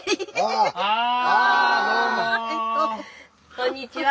こんにちは。